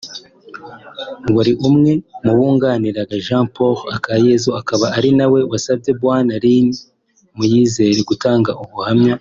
wari umwe mu bunganiraga Jean Paul Akayesu akaba ari nawe wasabye Bwana Lin Muyizere gutanga ubuhamya